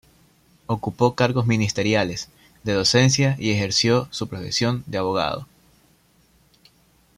Ocupó cargos ministeriales, de docencia y ejerció su profesión de abogado.